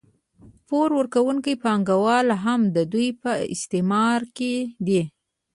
پور ورکوونکي پانګوال هم د دوی په استثمار کې دي